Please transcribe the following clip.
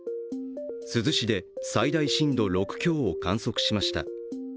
珠洲市で最大震度６強を観測しました。